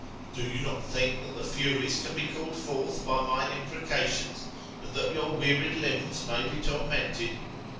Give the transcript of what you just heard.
Do you not think that the Furies can be called forth by my imprecations? And that your wearied limbs may be tormented